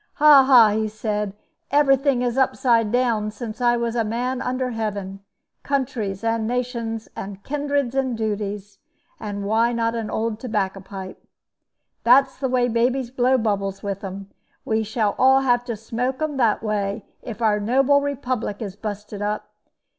'Ha, ha!' he said; 'every thing is upside down since I was a man under heaven countries and nations and kindreds and duties; and why not a old tobacco pipe? That's the way babies blow bubbles with them. We shall all have to smoke 'em that way if our noble republic is busted up.